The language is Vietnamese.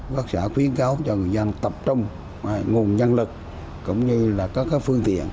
các xã khuyến cáo cho người dân tập trung nguồn nhân lực cũng như là các phương tiện